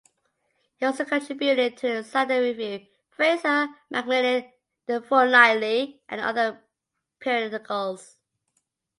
He also contributed to the "Saturday Review", "Fraser", "Macmillan", the "Fortnightly", and other periodicals.